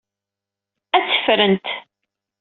Ad tt-ffrent.